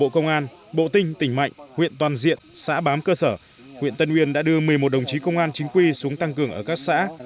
công an bộ tinh tỉnh mạnh huyện toàn diện xã bám cơ sở huyện tân uyên đã đưa một mươi một đồng chí công an chính quy xuống tăng cường ở các xã